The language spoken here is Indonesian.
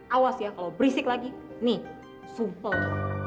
awas ya kalau berisik lagi nih sumpel tuh